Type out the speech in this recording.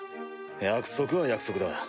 約束は約束だ。